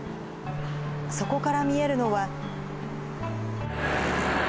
そこから見えるのは。